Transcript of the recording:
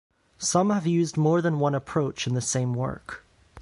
Some have used more than one approach in the same work.